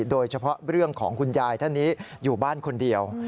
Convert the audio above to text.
โดยเฉพาะเรื่องของคุณยายท่านนี้อยู่บ้านคนเดียว